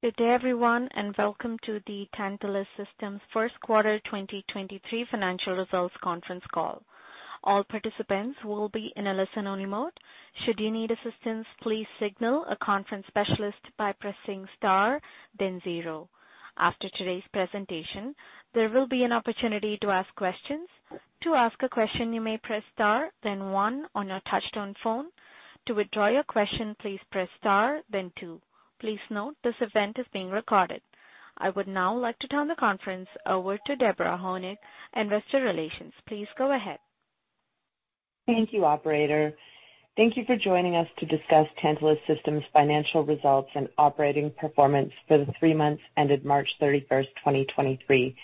Good day, everyone, and welcome to the Tantalus Systems first quarter 2023 financial results conference call. All participants will be in a listen-only mode. Should you need assistance, please signal a conference specialist by pressing star then zero. After today's presentation, there will be an opportunity to ask questions. To ask a question, you may press star then one on your touchtone phone. To withdraw your question, please press star then two. Please note this event is being recorded. I would now like to turn the conference over to Deborah Honig, Investor Relations. Please go ahead. Thank you, operator. Thank you for joining us to discuss Tantalus Systems' financial results and operating performance for the three months ended March 31, 2023.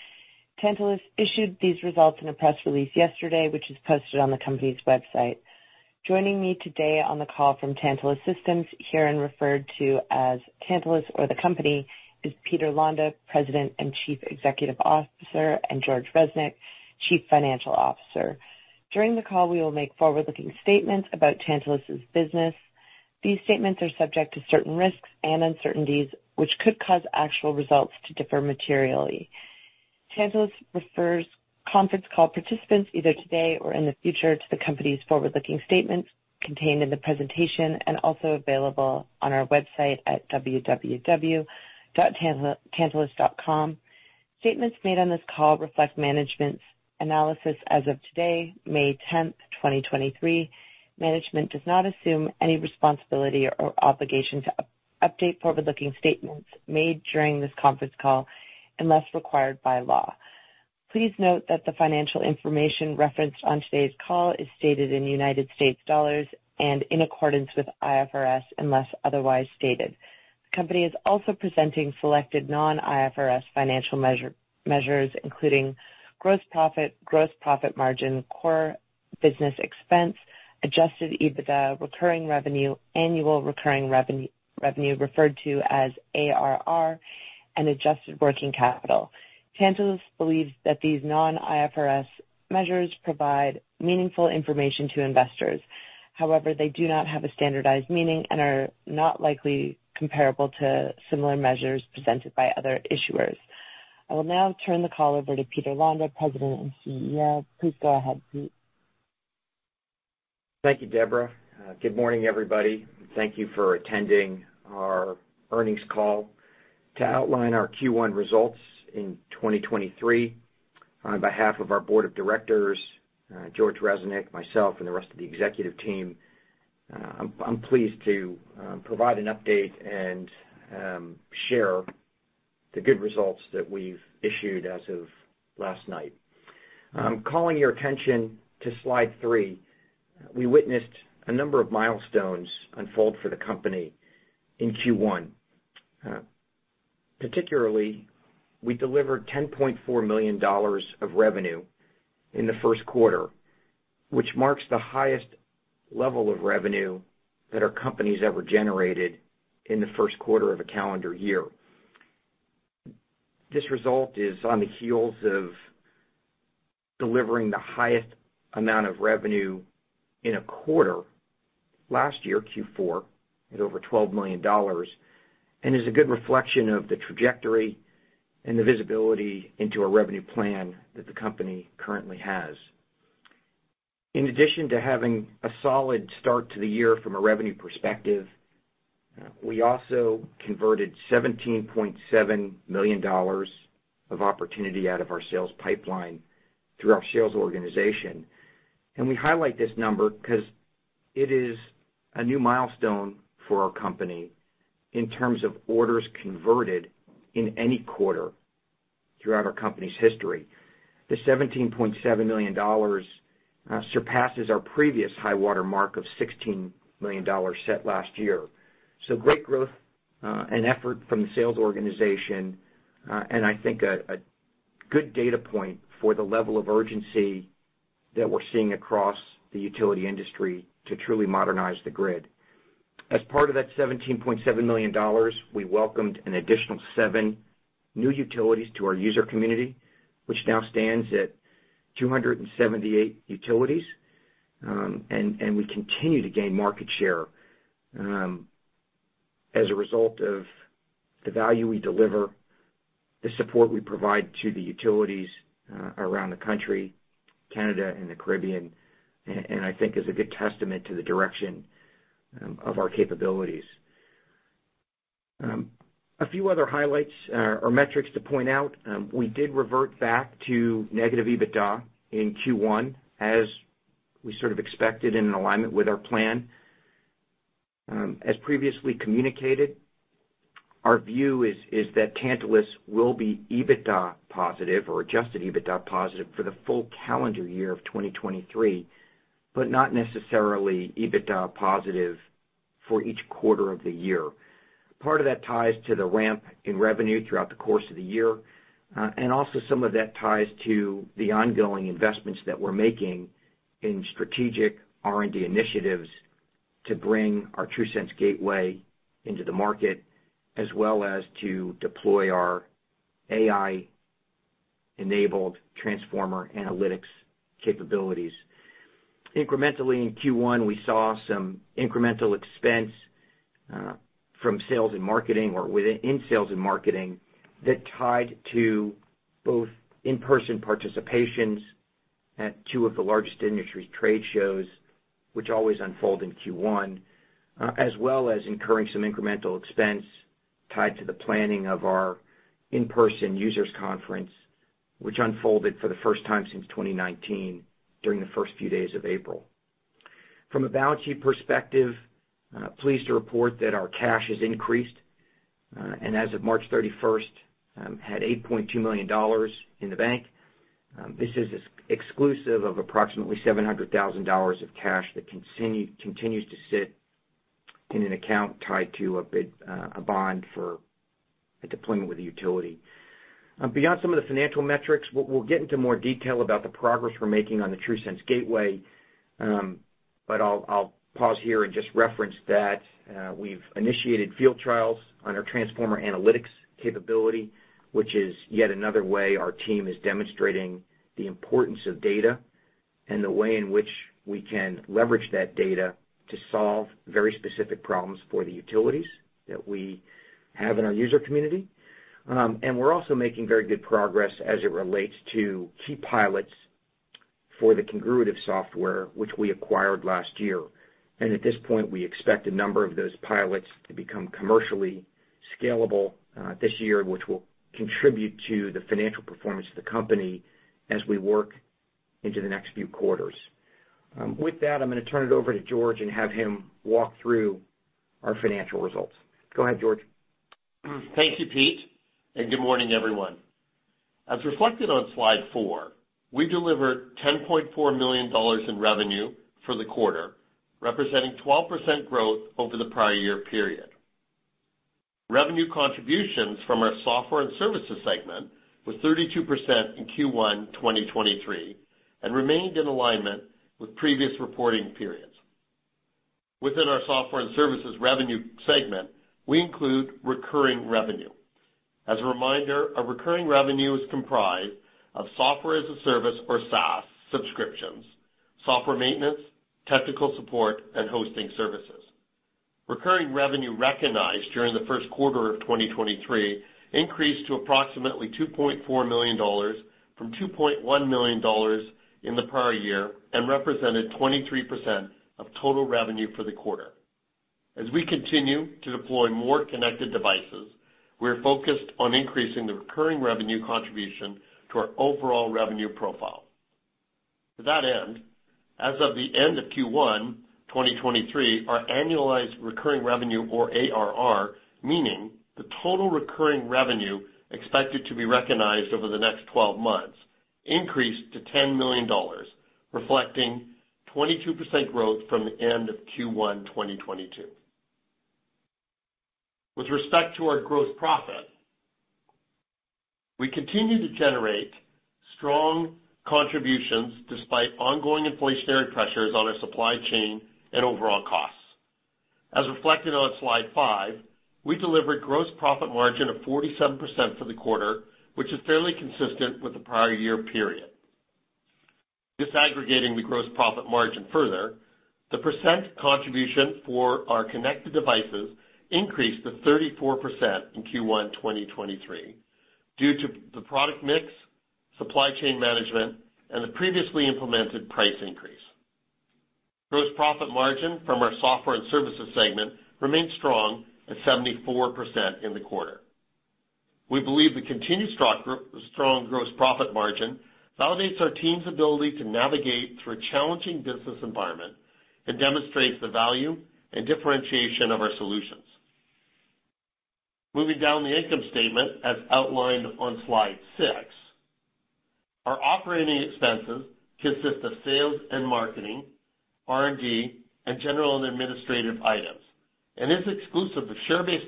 Tantalus issued these results in a press release yesterday, which is posted on the company's website. Joining me today on the call from Tantalus Systems, herein referred to as Tantalus or the company, is Peter Londa, President and Chief Executive Officer, and George Reznik, Chief Financial Officer. During the call, we will make forward-looking statements about Tantalus' business. These statements are subject to certain risks and uncertainties, which could cause actual results to differ materially. Tantalus refers conference call participants either today or in the future to the company's forward-looking statements contained in the presentation and also available on our website at www.tantalus.com. Statements made on this call reflect management's analysis as of today, May 10, 2023. Management does not assume any responsibility or obligation to update forward-looking statements made during this conference call unless required by law. Please note that the financial information referenced on today's call is stated in United States dollars and in accordance with IFRS, unless otherwise stated. The company is also presenting selected non-IFRS financial measures including gross profit, gross profit margin, core business expense, Adjusted EBITDA, recurring revenue, annual recurring revenue referred to as ARR, and adjusted working capital. Tantalus believes that these non-IFRS measures provide meaningful information to investors. They do not have a standardized meaning and are not likely comparable to similar measures presented by other issuers. I will now turn the call over to Peter Londa, President and CEO. Please go ahead, Pete. Thank you, Deborah. Good morning, everybody. Thank you for attending our earnings call to outline our Q1 results in 2023. On behalf of our board of directors, George Reznik, myself, and the rest of the executive team, I'm pleased to provide an update and share the good results that we've issued as of last night. Calling your attention to Slide 3, we witnessed a number of milestones unfold for the company in Q1. Particularly, we delivered $10.4 million of revenue in the first quarter, which marks the highest level of revenue that our company's ever generated in the first quarter of a calendar year. This result is on the heels of delivering the highest amount of revenue in a quarter last year, Q4, at over $12 million, and is a good reflection of the trajectory and the visibility into our revenue plan that the company currently has. In addition to having a solid start to the year from a revenue perspective, we also converted $17.7 million of opportunity out of our sales pipeline through our sales organization. We highlight this number because it is a new milestone for our company in terms of orders converted in any quarter throughout our company's history. The $17.7 million surpasses our previous high-water mark of $16 million set last year. Great growth and effort from the sales organization, and I think a good data point for the level of urgency that we're seeing across the utility industry to truly modernize the grid. As part of that $17.7 million, we welcomed an additional seven new utilities to our user community, which now stands at 278 utilities, and we continue to gain market share as a result of the value we deliver, the support we provide to the utilities around the country, Canada and the Caribbean, and I think is a good testament to the direction of our capabilities. A few other highlights or metrics to point out. We did revert back to negative EBITDA in Q1, as we sort of expected and in alignment with our plan. As previously communicated, our view is that Tantalus will be EBITDA positive or Adjusted EBITDA positive for the full calendar year of 2023, but not necessarily EBITDA positive for each quarter of the year. Part of that ties to the ramp in revenue throughout the course of the year, and also some of that ties to the ongoing investments that we're making in strategic R&D initiatives to bring our TRUSense Gateway into the market, as well as to deploy our AI-enabled transformer analytics capabilities. Incrementally in Q1, we saw some incremental expense from sales and marketing or in sales and marketing that tied to both in-person participations at two of the largest industry trade shows, which always unfold in Q1, as well as incurring some incremental expense tied to the planning of our in-person Users Conference, which unfolded for the first time since 2019 during the first few days of April. From a balance sheet perspective, pleased to report that our cash has increased, and as of March thirty-first, had $8.2 million in the bank. This is exclusive of approximately $700,000 of cash that continues to sit in an account tied to a bond for a deployment with a utility. Beyond some of the financial metrics, we'll get into more detail about the progress we're making on the TRUSense Gateway. I'll pause here and just reference that we've initiated field trials on our transformer analytics capability, which is yet another way our team is demonstrating the importance of data and the way in which we can leverage that data to solve very specific problems for the utilities that we have in our user community. We're also making very good progress as it relates to key pilots for the Congruitive software, which we acquired last year. At this point, we expect a number of those pilots to become commercially scalable, this year, which will contribute to the financial performance of the company as we work into the next few quarters. With that, I'm gonna turn it over to George and have him walk through our financial results. Go ahead, George. Thank you, Pete. Good morning, everyone. As reflected on slide four, we delivered $10.4 million in revenue for the quarter, representing 12% growth over the prior year period. Revenue contributions from our software and services segment was 32% in Q1 2023 and remained in alignment with previous reporting periods. Within our software and services revenue segment, we include recurring revenue. As a reminder, a recurring revenue is comprised of software as a service or SaaS subscriptions, software maintenance, technical support, and hosting services. Recurring revenue recognized during the first quarter of 2023 increased to approximately $2.4 million from $2.1 million in the prior year and represented 23% of total revenue for the quarter. As we continue to deploy more connected devices, we're focused on increasing the recurring revenue contribution to our overall revenue profile. To that end, as of the end of Q1 2023, our annualized recurring revenue or ARR, meaning the total recurring revenue expected to be recognized over the next 12 months, increased to $10 million, reflecting 22% growth from the end of Q1 2022. With respect to our gross profit, we continue to generate strong contributions despite ongoing inflationary pressures on our supply chain and overall costs. As reflected on Slide 5, we delivered gross profit margin of 47% for the quarter, which is fairly consistent with the prior year period. Disaggregating the gross profit margin further, the percent contribution for our connected devices increased to 34% in Q1 2023 due to the product mix, supply chain management, and the previously implemented price increase. Gross profit margin from our software and services segment remained strong at 74% in the quarter. We believe the continued strong gross profit margin validates our team's ability to navigate through a challenging business environment and demonstrates the value and differentiation of our solutions. Moving down the income statement as outlined on Slide 6, our operating expenses consist of sales and marketing, R&D, and general and administrative items, and is exclusive to share-based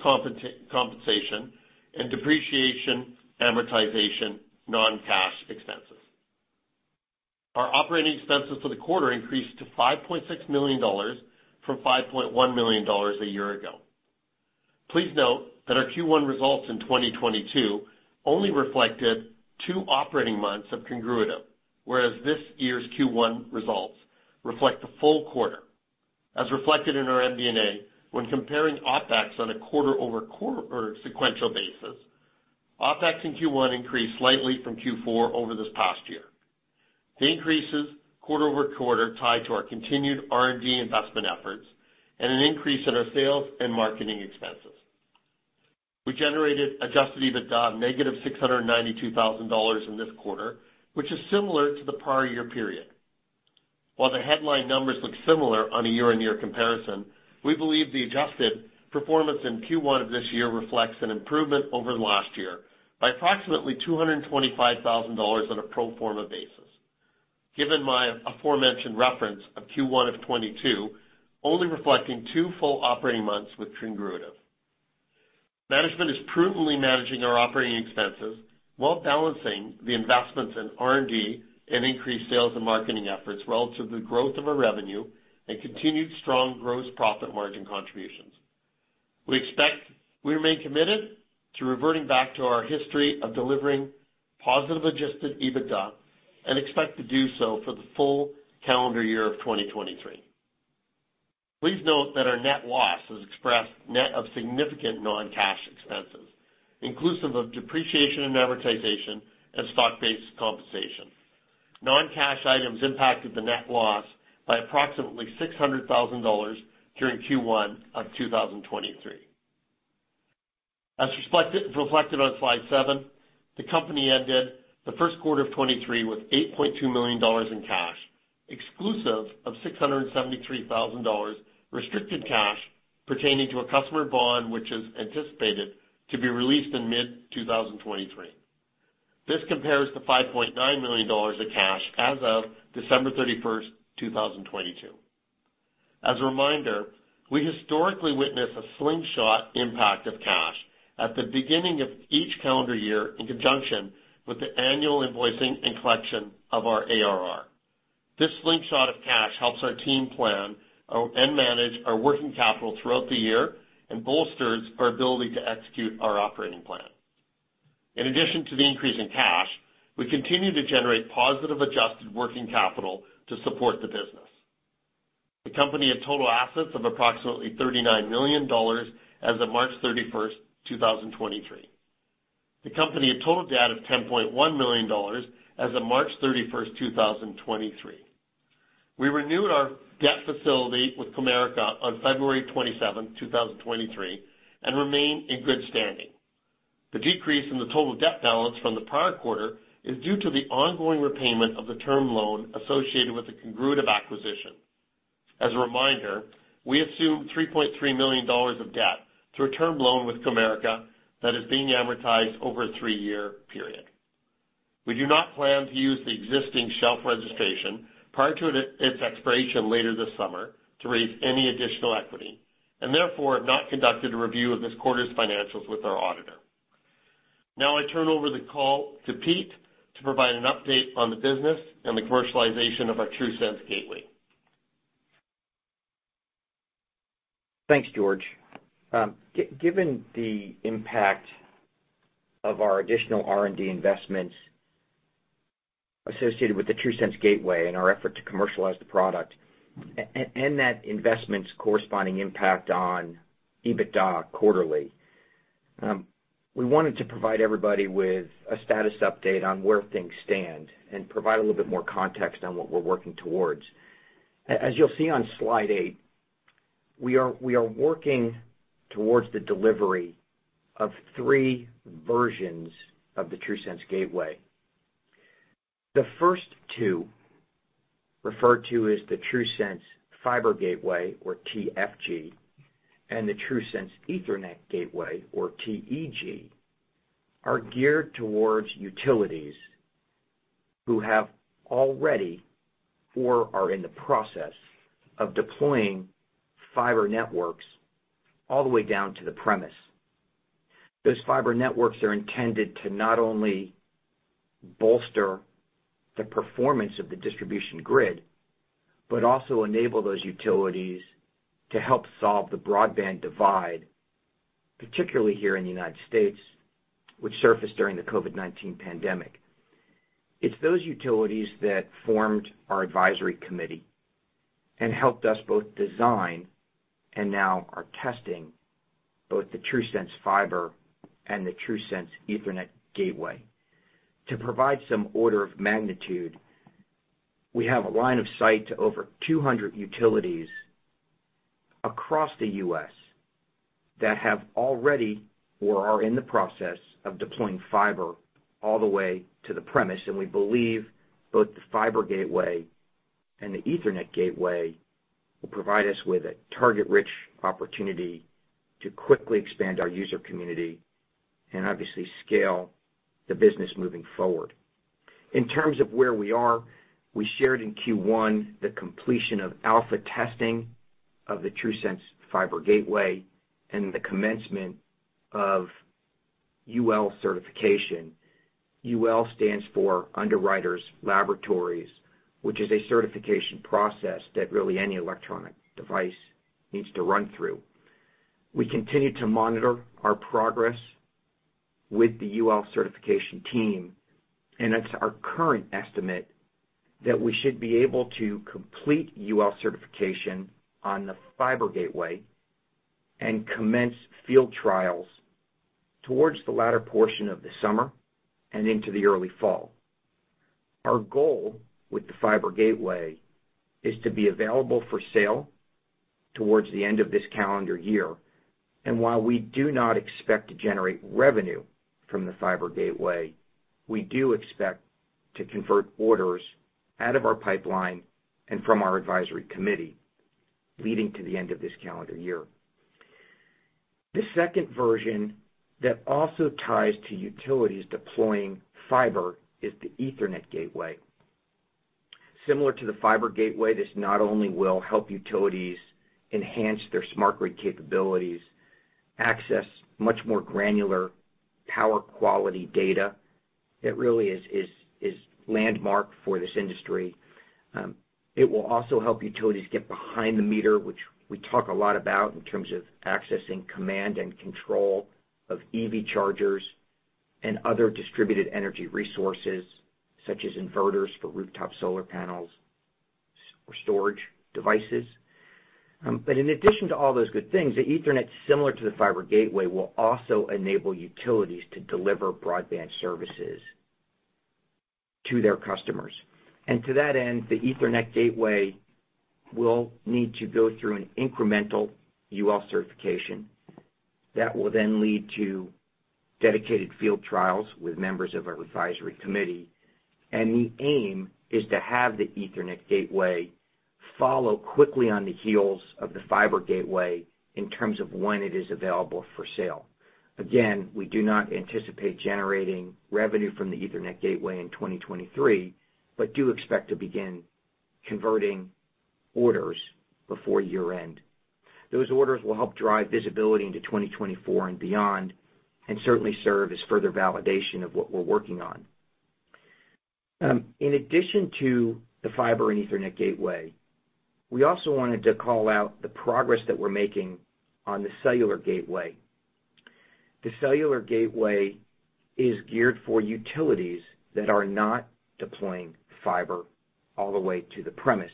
compensation and depreciation, amortization, non-cash expenses. Our operating expenses for the quarter increased to $5.6 million from $5.1 million a year ago. Please note that our Q1 results in 2022 only reflected two operating months of Congruitive, whereas this year's Q1 results reflect the full quarter. As reflected in our MD&A, when comparing OpEx on a quarter-over-quarter or sequential basis, OpEx in Q1 increased slightly from Q4 over this past year. The increases quarter-over-quarter tied to our continued R&D investment efforts and an increase in our sales and marketing expenses. We generated Adjusted EBITDA -$692,000 in this quarter, which is similar to the prior year period. While the headline numbers look similar on a year-on-year comparison, we believe the adjusted performance in Q1 of this year reflects an improvement over last year by approximately $225,000 on a pro forma basis, given my aforementioned reference of Q1 of 2022 only reflecting two full operating months with Congruitive. Management is prudently managing our operating expenses while balancing the investments in R&D and increased sales and marketing efforts relative to the growth of our revenue and continued strong gross profit margin contributions. We remain committed to reverting back to our history of delivering positive Adjusted EBITDA and expect to do so for the full calendar year of 2023. Please note that our net loss is expressed net of significant non-cash expenses, inclusive of depreciation and amortization and stock-based compensation. Non-cash items impacted the net loss by approximately $600,000 during Q1 of 2023. As reflected on Slide 7, the company ended the first quarter of 2023 with $8.2 million in cash, exclusive of $673,000 restricted cash pertaining to a customer bond, which is anticipated to be released in mid 2023. This compares to $5.9 million of cash as of December 31, 2022. As a reminder, we historically witness a slingshot impact of cash at the beginning of each calendar year in conjunction with the annual invoicing and collection of our ARR. This slingshot of cash helps our team plan and manage our working capital throughout the year and bolsters our ability to execute our operating plan. In addition to the increase in cash, we continue to generate positive adjusted working capital to support the business. The company had total assets of approximately $39 million as of March 31, 2023. The company had total debt of $10.1 million as of March 31, 2023. We renewed our debt facility with Comerica on February 27, 2023, and remain in good standing. The decrease in the total debt balance from the prior quarter is due to the ongoing repayment of the term loan associated with the Congruitive acquisition. As a reminder, we assumed $3.3 million of debt through a term loan with Comerica that is being amortized over a three-year period. We do not plan to use the existing shelf registration prior to its expiration later this summer to raise any additional equity, and therefore have not conducted a review of this quarter's financials with our auditor. Now I turn over the call to Pete to provide an update on the business and the commercialization of our TRUSense Gateway. Thanks, George. Given the impact of our additional R&D investments associated with the TRUSense Gateway and our effort to commercialize the product and that investment's corresponding impact on EBITDA quarterly, we wanted to provide everybody with a status update on where things stand and provide a little bit more context on what we're working towards. As you'll see on Slide 8, we are working towards the delivery of three versions of the TRUSense Gateway. The first two, referred to as the TRUSense Fiber Gateway or TFG and the TRUSense Ethernet Gateway or TEG, are geared towards utilities who have already or are in the process of deploying fiber networks all the way down to the premise. Those fiber networks are intended to not only bolster the performance of the distribution grid, but also enable those utilities to help solve the broadband divide, particularly here in the U.S., which surfaced during the COVID-19 pandemic. It's those utilities that formed our advisory committee and helped us both design and now are testing both the TRUSense Fiber and the TRUSense Ethernet Gateway. To provide some order of magnitude, we have a line of sight to over 200 utilities across the U.S. that have already or are in the process of deploying fiber all the way to the premise, and we believe both the Fiber Gateway and the Ethernet Gateway will provide us with a target-rich opportunity to quickly expand our user community and obviously scale the business moving forward. In terms of where we are, we shared in Q1 the completion of alpha testing of the TRUSense Fiber Gateway and the commencement of UL certification. UL stands for Underwriters Laboratories, which is a certification process that really any electronic device needs to run through. We continue to monitor our progress with the UL certification team. It's our current estimate that we should be able to complete UL certification on the TRUSense Fiber Gateway and commence field trials towards the latter portion of the summer and into the early fall. Our goal with the TRUSense Fiber Gateway is to be available for sale towards the end of this calendar year. While we do not expect to generate revenue from the TRUSense Fiber Gateway, we do expect to convert orders out of our pipeline and from our advisory committee leading to the end of this calendar year. The second version that also ties to utilities deploying fiber is the Ethernet Gateway. Similar to the Fiber Gateway, this not only will help utilities enhance their smart grid capabilities, access much more granular power quality data. It really is landmark for this industry. It will also help utilities get behind the meter, which we talk a lot about in terms of accessing command and control of EV chargers and other distributed energy resources such as inverters for rooftop solar panels or storage devices. In addition to all those good things, the Ethernet, similar to the Fiber Gateway, will also enable utilities to deliver broadband services to their customers. To that end, the Ethernet Gateway will need to go through an incremental UL certification that will then lead to dedicated field trials with members of our advisory committee. The aim is to have the Ethernet Gateway follow quickly on the heels of the Fiber Gateway in terms of when it is available for sale. Again, we do not anticipate generating revenue from the Ethernet Gateway in 2023, but do expect to begin converting orders before year-end. Those orders will help drive visibility into 2024 and beyond, and certainly serve as further validation of what we're working on. In addition to the Fiber and Ethernet Gateway, we also wanted to call out the progress that we're making on the cellular gateway. The cellular gateway is geared for utilities that are not deploying Fiber all the way to the premise,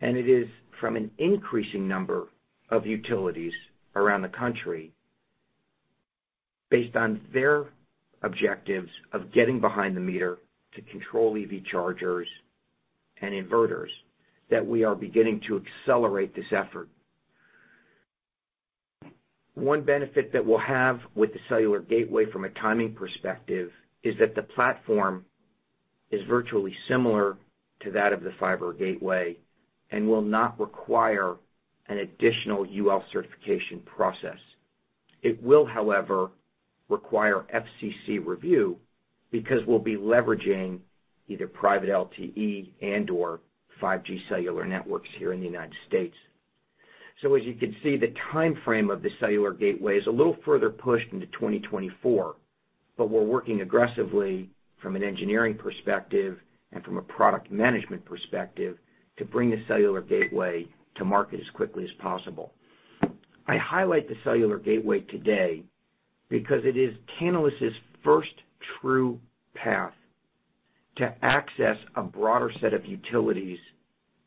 and it is from an increasing number of utilities around the country based on their objectives of getting behind the meter to control EV chargers and inverters that we are beginning to accelerate this effort. One benefit that we'll have with the cellular gateway from a timing perspective is that the platform is virtually similar to that of the fiber gateway and will not require an additional UL certification process. It will, however, require FCC review because we'll be leveraging either private LTE and/or 5G cellular networks here in the United States. As you can see, the timeframe of the cellular gateway is a little further pushed into 2024, but we're working aggressively from an engineering perspective and from a product management perspective to bring the cellular gateway to market as quickly as possible. I highlight the cellular gateway today because it is Tantalus' first true path to access a broader set of utilities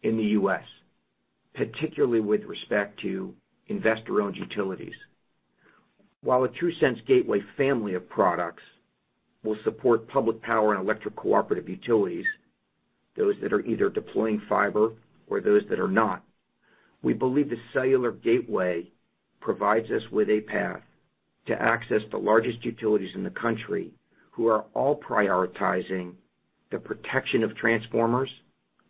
in the U.S., particularly with respect to investor-owned utilities. While the TRUSense Gateway family of products will support public power and electric cooperative utilities, those that are either deploying fiber or those that are not, we believe the cellular gateway provides us with a path to access the largest utilities in the country who are all prioritizing the protection of transformers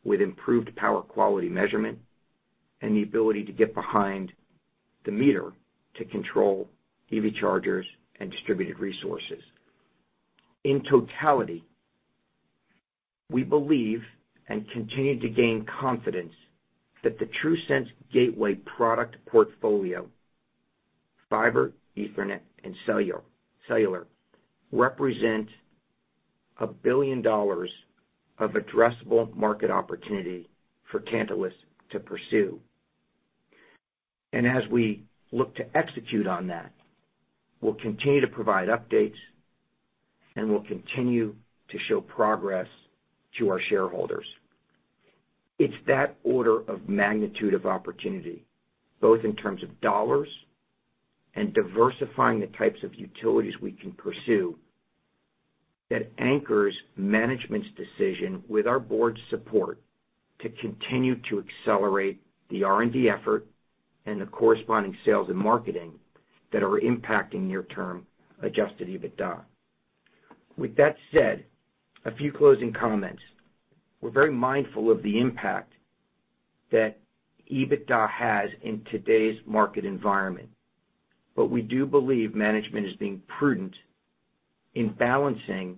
with improved power quality measurement and the ability to get behind the meter to control EV chargers and distributed resources. In totality, we believe and continue to gain confidence that the TRUSense Gateway product portfolio, fiber, Ethernet, and cellular, represent a $1 billion of addressable market opportunity for Tantalus to pursue. As we look to execute on that, we'll continue to provide updates, and we'll continue to show progress to our shareholders. It's that order of magnitude of opportunity, both in terms of dollars and diversifying the types of utilities we can pursue, that anchors management's decision with our board's support to continue to accelerate the R&D effort and the corresponding sales and marketing that are impacting near-term Adjusted EBITDA. With that said, a few closing comments. We're very mindful of the impact that EBITDA has in today's market environment, but we do believe management is being prudent in balancing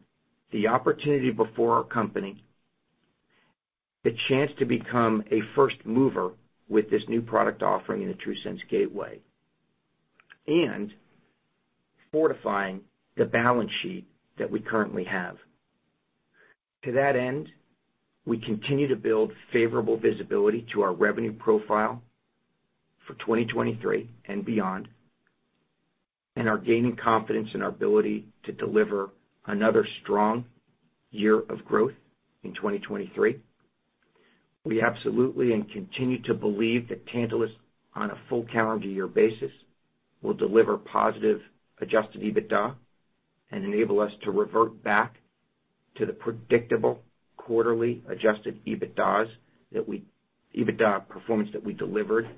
the opportunity before our company, the chance to become a first mover with this new product offering in the TRUSense Gateway, and fortifying the balance sheet that we currently have. To that end, we continue to build favorable visibility to our revenue profile for 2023 and beyond, and are gaining confidence in our ability to deliver another strong year of growth in 2023. We absolutely continue to believe that Tantalus, on a full calendar year basis, will deliver positive Adjusted EBITDA and enable us to revert back to the predictable quarterly Adjusted EBITDA performance that we delivered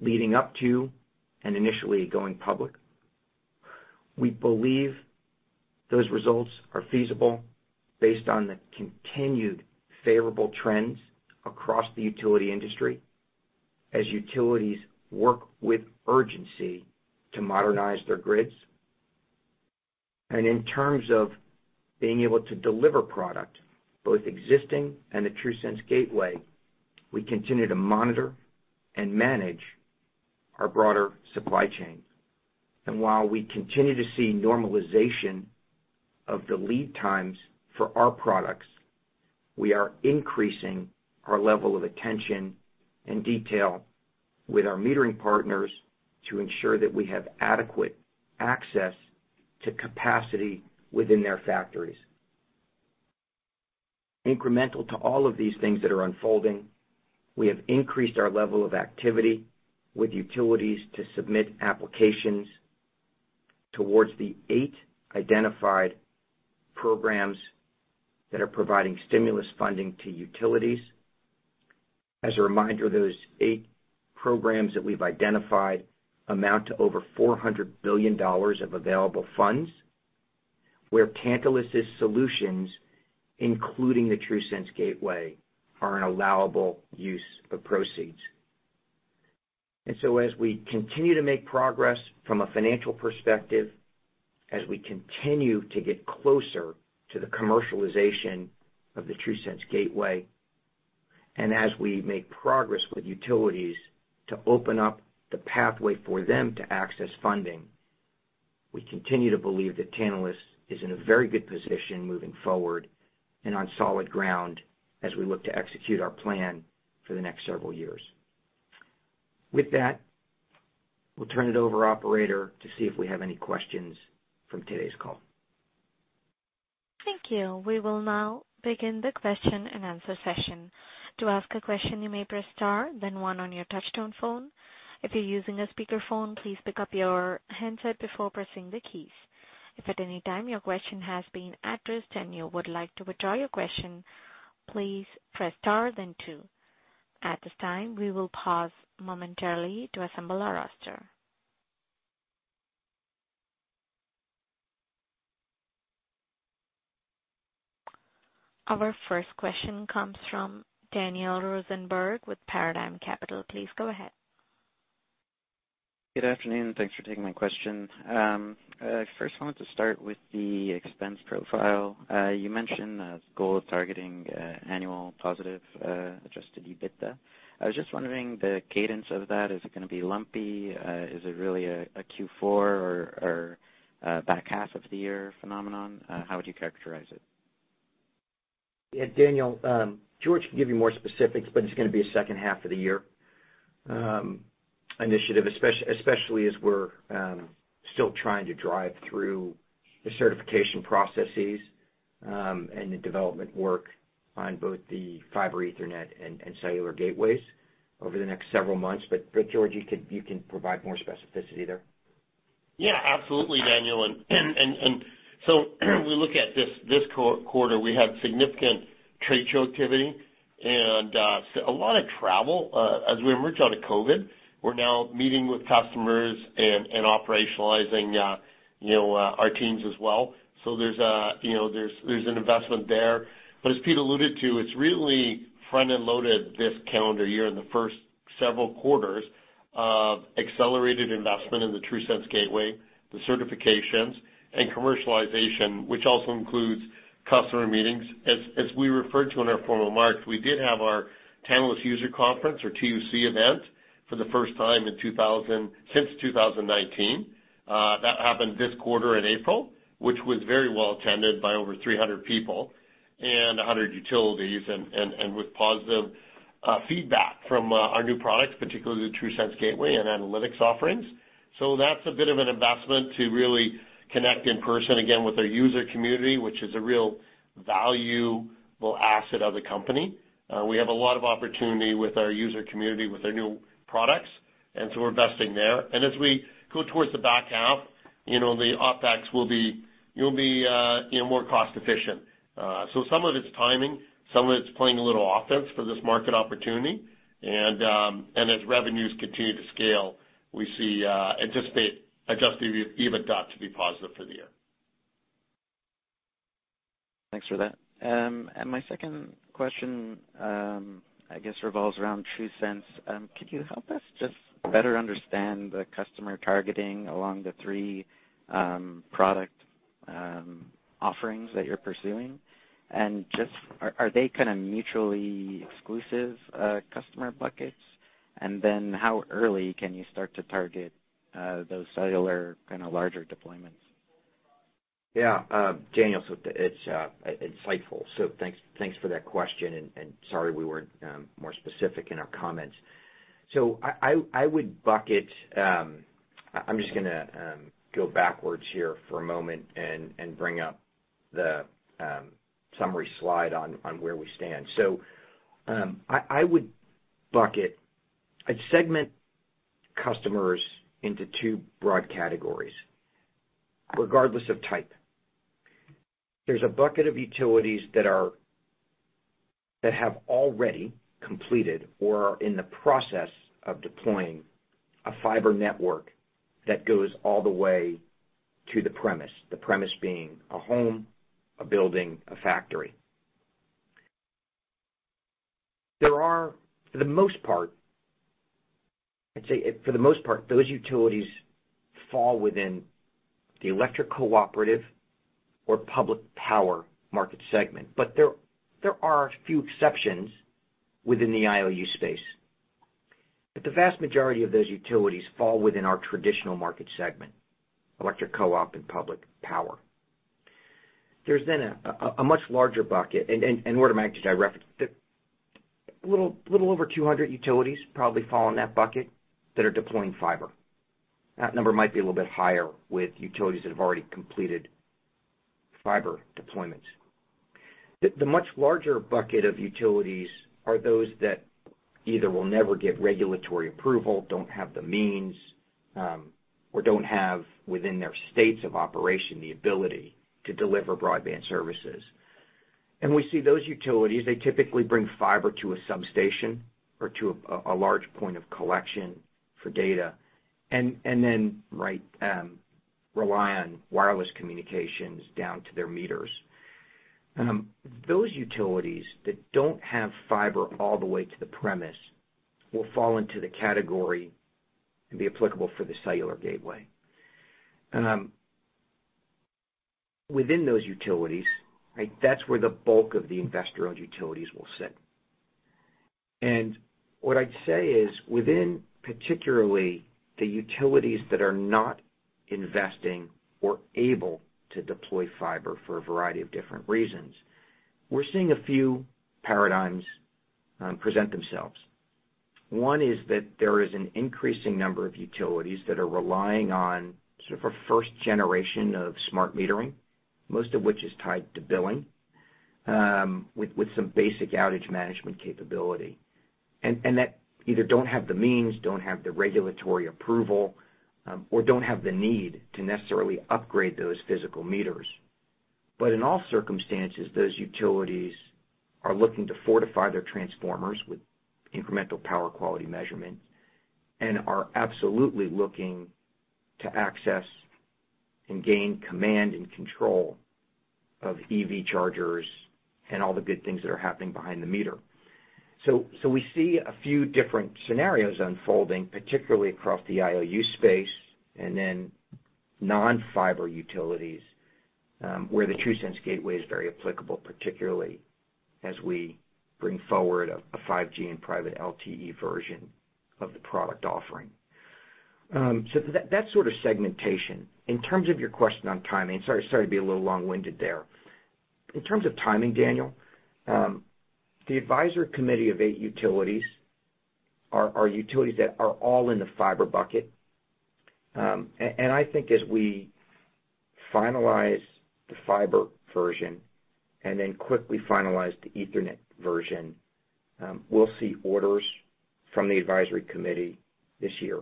leading up to and initially going public. We believe those results are feasible based on the continued favorable trends across the utility industry as utilities work with urgency to modernize their grids. In terms of being able to deliver product, both existing and the TRUSense Gateway. We continue to monitor and manage our broader supply chain. While we continue to see normalization of the lead times for our products, we are increasing our level of attention and detail with our metering partners to ensure that we have adequate access to capacity within their factories. Incremental to all of these things that are unfolding, we have increased our level of activity with utilities to submit applications towards the eight identified programs that are providing stimulus funding to utilities. As a reminder, those eight programs that we've identified amount to over $400 billion of available funds, where Tantalus' solutions, including the TRUSense Gateway, are an allowable use of proceeds. As we continue to make progress from a financial perspective, as we continue to get closer to the commercialization of the TRUSense Gateway, and as we make progress with utilities to open up the pathway for them to access funding, we continue to believe that Tantalus is in a very good position moving forward and on solid ground as we look to execute our plan for the next several years. With that, we'll turn it over, operator, to see if we have any questions from today's call. Thank you. We will now begin the question-and-answer session. To ask a question, you may press star then one on your touch-tone phone. If you're using a speakerphone, please pick up your handset before pressing the keys. If at any time your question has been addressed and you would like to withdraw your question, please press star then two. At this time, we will pause momentarily to assemble our roster. Our first question comes from Daniel Rosenberg with Paradigm Capital. Please go ahead. Good afternoon. Thanks for taking my question. First I wanted to start with the expense profile. You mentioned a goal of targeting annual positive Adjusted EBITDA. I was just wondering the cadence of that. Is it gonna be lumpy? Is it really a Q4 or back half of the year phenomenon? How would you characterize it? Yeah, Daniel, George can give you more specifics, but it's gonna be a second half of the year, initiative, especially as we're still trying to drive through the certification processes, and the development work on both the Fiber, Ethernet and Cellular Gateways over the next several months. George, you can provide more specificity there. Yeah. Absolutely, Daniel. We look at this quarter, we have significant trade show activity and a lot of travel. As we emerge out of COVID, we're now meeting with customers and operationalizing, you know, our teams as well. There's a, you know, there's an investment there. As Pete alluded to, it's really front-end loaded this calendar year in the first several quarters of accelerated investment in the TRUSense Gateway, the certifications and commercialization, which also includes customer meetings. As we referred to in our formal marks, we did have our Tantalus User Conference or TUC event for the first time since 2019. That happened this quarter in April, which was very well attended by over 300 people and 100 utilities and with positive feedback from our new products, particularly the TRUSense Gateway and analytics offerings. That's a bit of an investment to really connect in person again with our user community, which is a real valuable asset of the company. We have a lot of opportunity with our user community with our new products, and so we're investing there. As we go towards the back half, you know, the OpEx will be, you know, more cost efficient. Some of it's timing. Some of it's playing a little offense for this market opportunity. As revenues continue to scale, we see anticipate Adjusted EBITDA to be positive for the year. Thanks for that. My second question, I guess revolves around TRUSense. Can you help us just better understand the customer targeting along the three product offerings that you're pursuing? Just are they kinda mutually exclusive customer buckets? How early can you start to target those cellular kinda larger deployments? Yeah. Daniel, it's insightful, so thanks for that question, and, sorry we weren't more specific in our comments. I would bucket, I'm just gonna go backwards here for a moment and bring up the summary slide on where we stand. I would bucket, I'd segment customers into two broad categories, regardless of type. There's a bucket of utilities that have already completed or are in the process of deploying a fiber network that goes all the way to the premise, the premise being a home, a building, a factory. There are, for the most part, I'd say for the most part, those utilities fall within the electric cooperative or public power market segment. There are a few exceptions within the IOU space, but the vast majority of those utilities fall within our traditional market segment, electric co-op and public power. There's a much larger bucket. A little over 200 utilities probably fall in that bucket that are deploying fiber. That number might be a little bit higher with utilities that have already completed fiber deployments. The much larger bucket of utilities are those that either will never get regulatory approval, don't have the means, or don't have within their states of operation the ability to deliver broadband services. We see those utilities, they typically bring fiber to a substation or to a large point of collection for data, and then rely on wireless communications down to their meters. Those utilities that don't have fiber all the way to the premise will fall into the category and be applicable for the cellular gateway. Within those utilities, right, that's where the bulk of the investor-owned utilities will sit. What I'd say is, within particularly the utilities that are not investing or able to deploy fiber for a variety of different reasons, we're seeing a few paradigms present themselves. One is that there is an increasing number of utilities that are relying on sort of a first generation of smart metering, most of which is tied to billing, with some basic outage management capability. That either don't have the means, don't have the regulatory approval, or don't have the need to necessarily upgrade those physical meters. In all circumstances, those utilities are looking to fortify their transformers with incremental power quality measurement, and are absolutely looking to access and gain command and control of EV chargers and all the good things that are happening behind the meter. We see a few different scenarios unfolding, particularly across the IOU space and then non-fiber utilities, where the TRUSense Gateway is very applicable, particularly as we bring forward a 5G and private LTE version of the product offering. So that's sort of segmentation. In terms of your question on timing. Sorry to be a little long-winded there. In terms of timing, Daniel, the advisor committee of eight utilities are utilities that are all in the fiber bucket. I think as we finalize the fiber version and then quickly finalize the Ethernet version, we'll see orders from the advisory committee this year.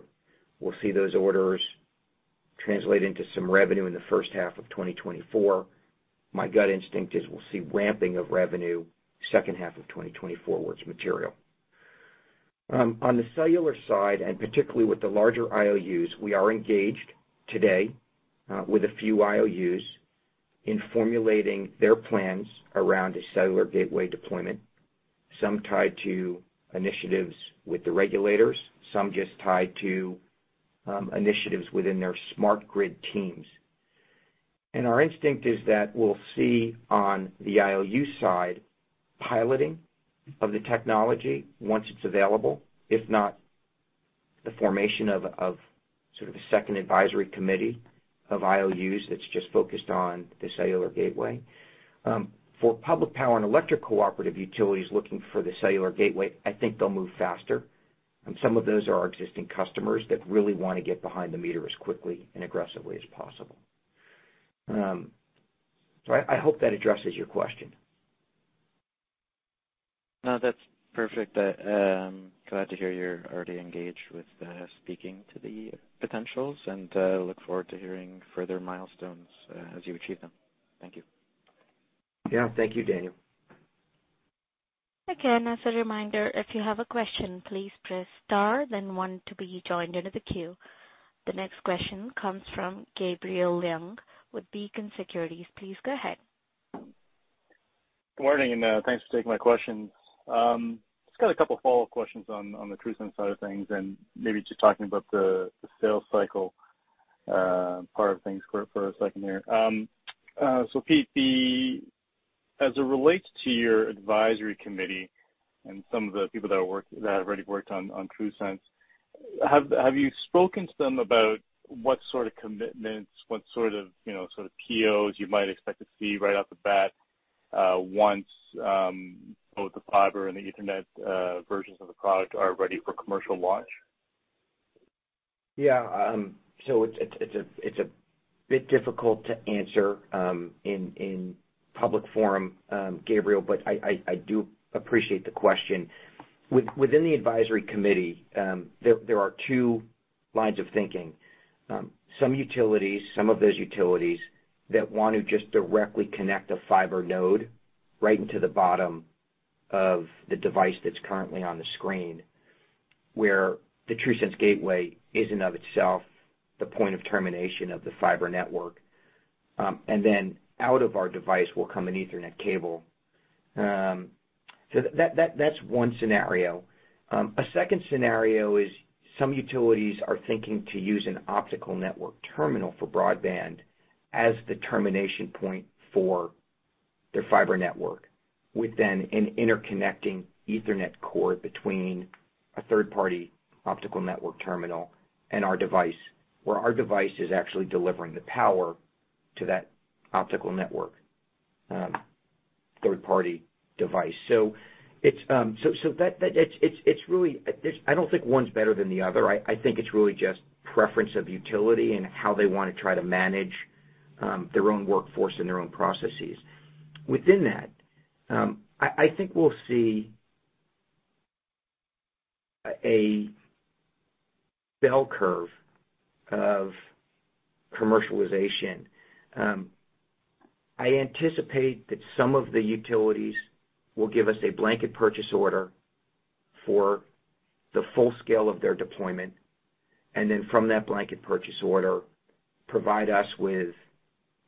We'll see those orders translate into some revenue in the first half of 2024. My gut instinct is we'll see ramping of revenue second half of 2024 where it's material. On the cellular side, and particularly with the larger IOUs, we are engaged today with a few IOUs in formulating their plans around a cellular gateway deployment, some tied to initiatives with the regulators, some just tied to initiatives within their smart grid teams. Our instinct is that we'll see on the IOU side piloting of the technology once it's available, if not the formation of sort of a second advisory committee of IOUs that's just focused on the cellular gateway. For public power and electric cooperative utilities looking for the cellular gateway, I think they'll move faster, and some of those are our existing customers that really wanna get behind the meter as quickly and aggressively as possible. I hope that addresses your question. No, that's perfect. glad to hear you're already engaged with speaking to the potentials, and look forward to hearing further milestones as you achieve them. Thank you. Yeah. Thank you, Daniel. Again, as a reminder, if you have a question, please press star then one to be joined into the queue. The next question comes from Gabriel Leung with Beacon Securities. Please go ahead. Good morning, thanks for taking my questions. Just got a couple follow-up questions on the TRUSense side of things and maybe just talking about the sales cycle part of things for a second here. Pete, as it relates to your advisory committee and some of the people that have already worked on TRUSense, have you spoken to them about what sort of commitments, what sort of POs you might expect to see right off the bat once both the Fiber and the Ethernet versions of the product are ready for commercial launch? Yeah. It's a bit difficult to answer in public forum, Gabriel, but I do appreciate the question. Within the advisory committee, there are two lines of thinking. Some utilities, some of those utilities that want to just directly connect a fiber node right into the bottom of the device that's currently on the screen, where the TRUSense Gateway is in and of itself the point of termination of the fiber network. Then out of our device will come an Ethernet cable. That's one scenario. A second scenario is some utilities are thinking to use an optical network terminal for broadband as the termination point for their fiber network with then an interconnecting Ethernet cord between a third-party optical network terminal and our device, where our device is actually delivering the power to that optical network, third-party device. It's really, I don't think one's better than the other. I think it's really just preference of utility and how they wanna try to manage their own workforce and their own processes. Within that, I think we'll see a bell curve of commercialization. I anticipate that some of the utilities will give us a blanket purchase order for the full scale of their deployment, and then from that blanket purchase order, provide us with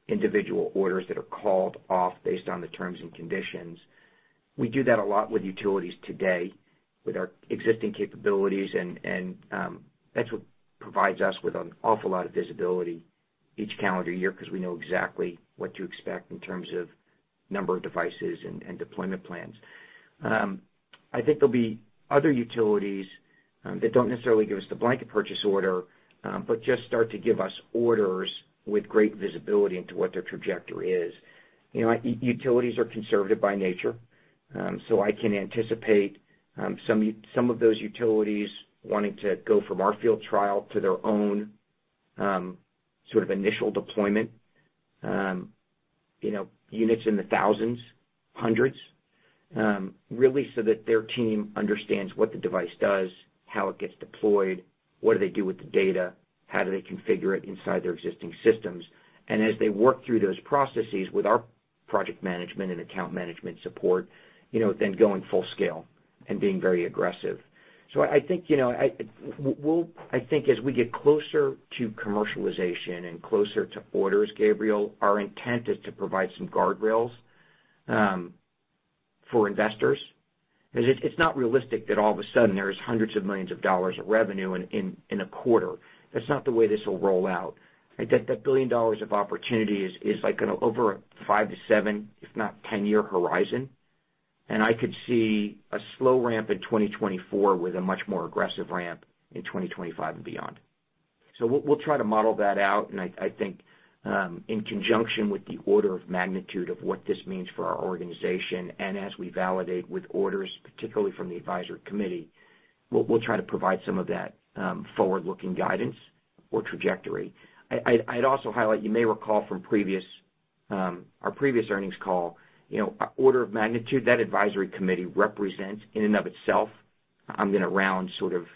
individual orders that are called off based on the terms and conditions. We do that a lot with utilities today with our existing capabilities, and that's what provides us with an awful lot of visibility each calendar year because we know exactly what to expect in terms of number of devices and deployment plans. I think there'll be other utilities that don't necessarily give us the blanket purchase order, but just start to give us orders with great visibility into what their trajectory is. You know, utilities are conservative by nature, so I can anticipate some of those utilities wanting to go from our field trial to their own, sort of initial deployment, you know, units in the thousands, hundreds, really so that their team understands what the device does, how it gets deployed, what do they do with the data, how do they configure it inside their existing systems. As they work through those processes with our project management and account management support, you know, then going full scale and being very aggressive. I think, you know, I think as we get closer to commercialization and closer to orders, Gabriel, our intent is to provide some guardrails for investors. 'Cause it's not realistic that all of a sudden there is hundreds of millions of dollars of revenue in, in a quarter. That's not the way this will roll out, right? That, that $1 billion of opportunity is like on over a five to seven, if not 10-year horizon, and I could see a slow ramp in 2024 with a much more aggressive ramp in 2025 and beyond. We'll, we'll try to model that out, and I think, in conjunction with the order of magnitude of what this means for our organization and as we validate with orders, particularly from the advisory committee, we'll try to provide some of that forward-looking guidance or trajectory. I'd also highlight, you may recall from previous, our previous earnings call, you know, order of magnitude, that advisory committee represents in and of itself, I'm gonna round sort of,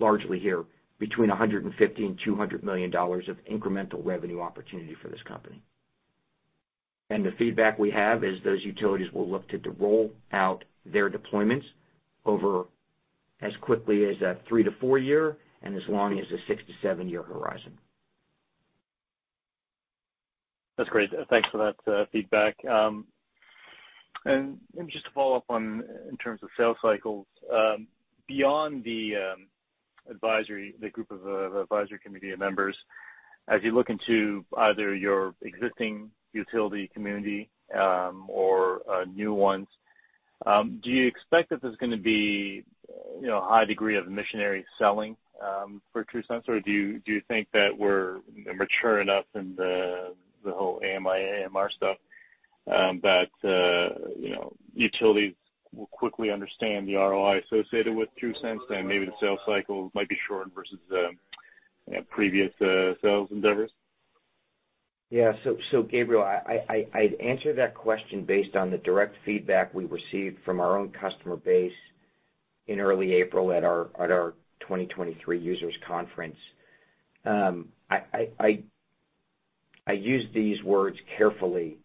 largely here, between $150 million-$200 million of incremental revenue opportunity for this company. The feedback we have is those utilities will look to roll out their deployments over as quickly as a three to four year and as long as a six to seven year horizon. That's great. Thanks for that feedback. Maybe just to follow up on in terms of sales cycles, beyond the advisory, the group of advisory committee members, as you look into either your existing utility community, or new ones, do you expect that there's gonna be, you know, a high degree of missionary selling for TRUSense or do you think that we're mature enough in the whole AMI, AMR stuff, that, you know, utilities will quickly understand the ROI associated with TRUSense and maybe the sales cycle might be shortened versus, you know, previous sales endeavors? Yeah. Gabriel, I'd answer that question based on the direct feedback we received from our own customer base in early April at our 2023 User Conference. I use these words carefully,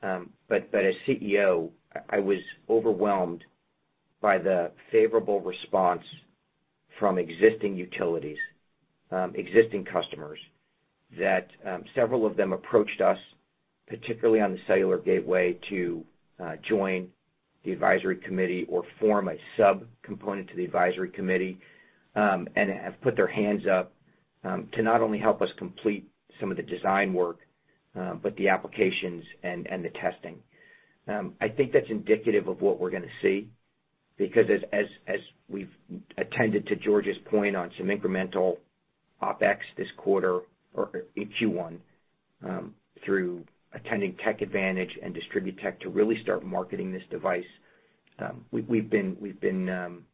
but as CEO, I was overwhelmed by the favorable response from existing utilities, existing customers that several of them approached us, particularly on the cellular gateway, to join the advisory committee or form a subcomponent to the advisory committee, and have put their hands up to not only help us complete some of the design work, but the applications and the testing. I think that's indicative of what we're gonna see because as we've attended to George's point on some incremental OpEx this quarter or in Q1, through attending TechAdvantage and DistribuTECH to really start marketing this device, we've been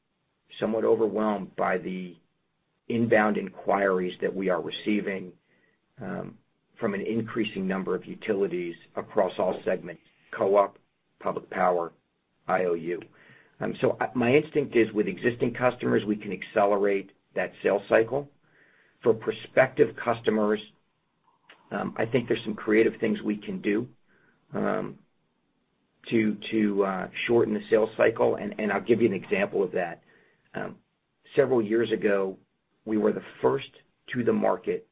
somewhat overwhelmed by the inbound inquiries that we are receiving from an increasing number of utilities across all segments, co-op, public power, IOU. My instinct is with existing customers, we can accelerate that sales cycle. For prospective customers, I think there's some creative things we can do to shorten the sales cycle, and I'll give you an example of that. Several years ago, we were the first to the market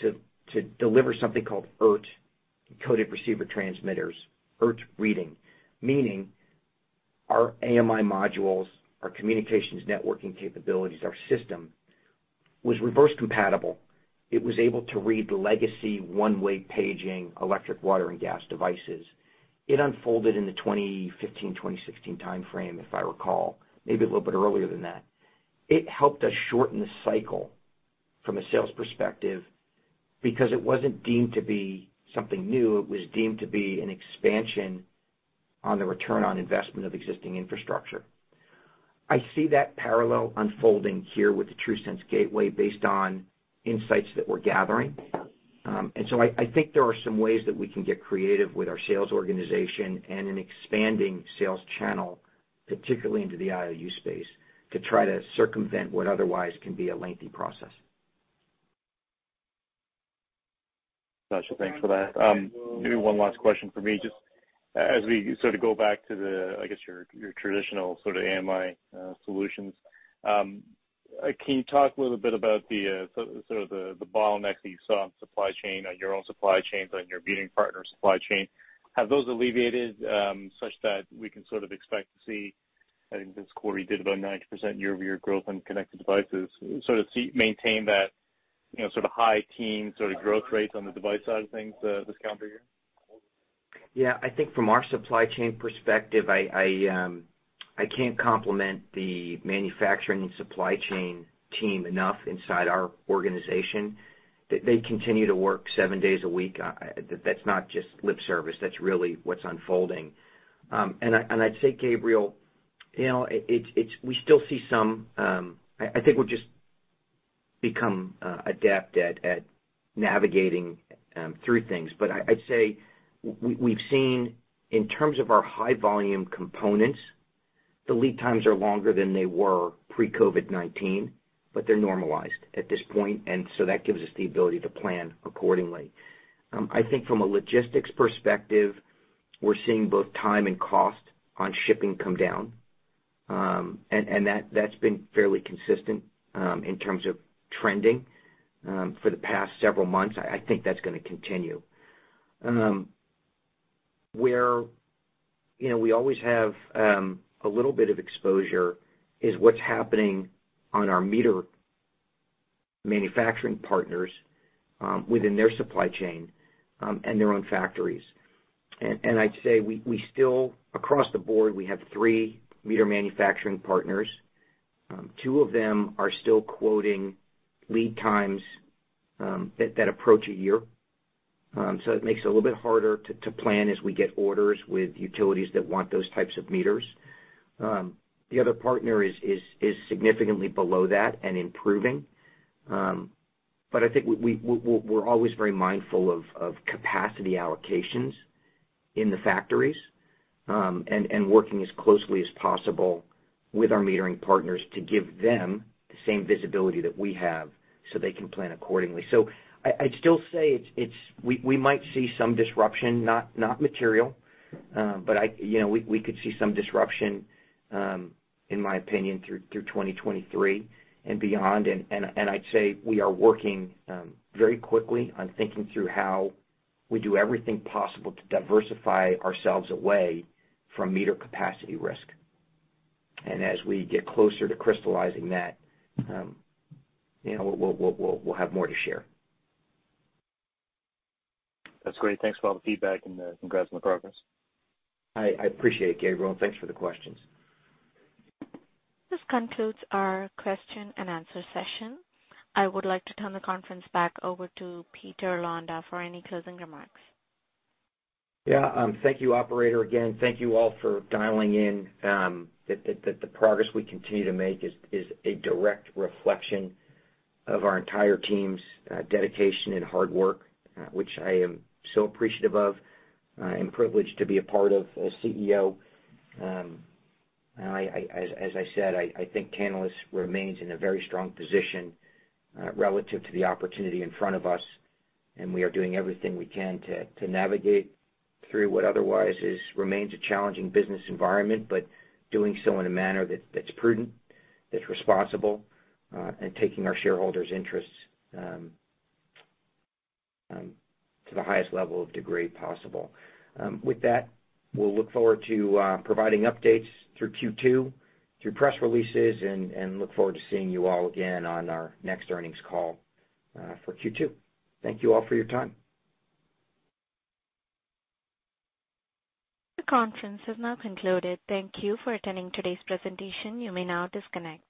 to deliver something called ERT, encoded receiver transmitters, ERT reading, meaning our AMI modules, our communications networking capabilities, our system was reverse compatible. It was able to read the legacy one-way paging, electric, water, and gas devices. It unfolded in the 2015, 2016 timeframe, if I recall, maybe a little bit earlier than that. It helped us shorten the cycle from a sales perspective because it wasn't deemed to be something new. It was deemed to be an expansion on the return on investment of existing infrastructure. I see that parallel unfolding here with the TRUSense Gateway based on insights that we're gathering. I think there are some ways that we can get creative with our sales organization and an expanding sales channel, particularly into the IOU space, to try to circumvent what otherwise can be a lengthy process. Gotcha. Thanks for that. Maybe one last question for me. Just as we sort of go back to the, I guess, your traditional sort of AMI solutions, can you talk a little bit about the, sort of the bottlenecks that you saw on supply chain, on your own supply chains, on your metering partner supply chain? Have those alleviated, such that we can sort of expect to see, I think this quarter you did about 90% year-over-year growth on connected devices, maintain that, you know, sort of high teen sort of growth rates on the device side of things, this calendar year? Yeah. I think from our supply chain perspective, I can't compliment the manufacturing and supply chain team enough inside our organization. They continue to work 7 days a week. That's not just lip service. That's really what's unfolding. I'd say, Gabriel, you know, we still see some. I think we'll just become adept at navigating through things. I'd say we've seen in terms of our high volume components, the lead times are longer than they were pre-COVID-19, but they're normalized at this point. That gives us the ability to plan accordingly. I think from a logistics perspective, we're seeing both time and cost on shipping come down. That's been fairly consistent in terms of trending for the past several months. I think that's gonna continue. Where, you know, we always have a little bit of exposure is what's happening on our meter manufacturing partners within their supply chain and their own factories. I'd say we still across the board, we have three meter manufacturing partners. Two of them are still quoting lead times that approach a year. It makes it a little bit harder to plan as we get orders with utilities that want those types of meters. The other partner is significantly below that and improving. I think we're always very mindful of capacity allocations in the factories and working as closely as possible with our metering partners to give them the same visibility that we have so they can plan accordingly. I'd still say it's we might see some disruption, not material. You know, we could see some disruption, in my opinion through 2023 and beyond. I'd say we are working very quickly on thinking through how we do everything possible to diversify ourselves away from meter capacity risk. As we get closer to crystallizing that, you know, we'll have more to share. That's great. Thanks for all the feedback and congrats on the progress. I appreciate it, Gabriel. Thanks for the questions. This concludes our question and answer session. I would like to turn the conference back over to Peter Londa for any closing remarks. Thank you, operator. Again, thank you all for dialing in. The progress we continue to make is a direct reflection of our entire team's dedication and hard work, which I am so appreciative of and privileged to be a part of as CEO. As I said, I think Tantalus remains in a very strong position relative to the opportunity in front of us, and we are doing everything we can to navigate through what otherwise remains a challenging business environment, but doing so in a manner that's prudent, that's responsible, and taking our shareholders' interests to the highest level of degree possible. With that, we'll look forward to providing updates through Q2, through press releases, and look forward to seeing you all again on our next earnings call for Q2. Thank you all for your time. The conference has now concluded. Thank you for attending today's presentation. You may now disconnect.